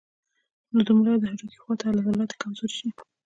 نو د ملا د هډوکي خواته عضلات ئې کمزوري شي